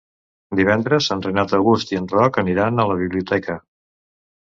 Divendres en Renat August i en Roc aniran a la biblioteca.